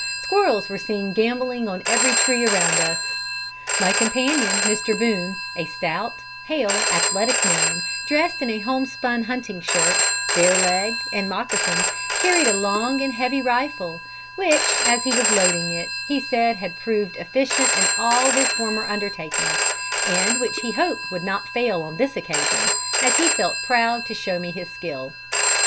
Squirrels were seen gambolling on every tree around us. My companion Mr. Boone, a stout, hale, athletic man, dressed in a homespun hunting shirt, bare legged and moccasined, carried a long and heavy rifle, which, as he was loading it, he said had proved efficient in all his former undertakings, and which he hoped would not fail on this occasion, as he felt proud to show me his skill.